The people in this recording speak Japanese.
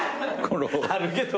あるけど。